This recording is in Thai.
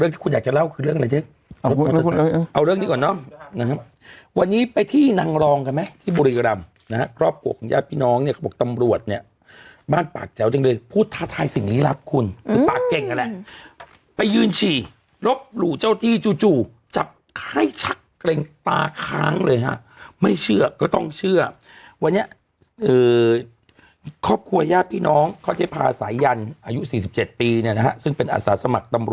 นางรองกันไหมที่บุรีกรรมนะครับครอบครัวของญาติพี่น้องเนี่ยเขาบอกตำรวจเนี่ยบ้านปากแจ๋วจังเลยพูดท้าทายสิ่งนี้รับคุณคือปากเก่งกันแหละไปยื่นฉี่รบหลู่เจ้าจี้จู่จับไข้ชักกระลิงตาค้างเลยฮะไม่เชื่อก็ต้องเชื่อวันนี้ครอบครัวย่าพี่น้องเขาจะพาสายันอายุ๔๗ปีเนี่ยนะครับซึ่งเป็นอาสาสมัครตำร